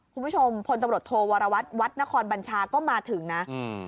พลตำรวจโทวรวัตรวัดนครบัญชาก็มาถึงนะอืม